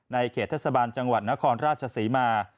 เขตเทศบาลจังหวัดนครราชศรีมา